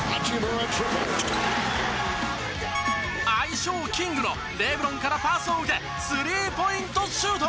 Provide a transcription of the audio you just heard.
愛称「キング」のレブロンからパスを受けスリーポイントシュート。